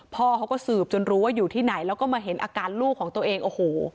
พ่อเขาก็สืบจนรู้ว่าอยู่ที่ไหนแล้วก็มาเห็นอาการลูกของตัวเองโอ้โห